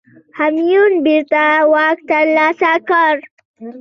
همایون بیرته واک ترلاسه کړ.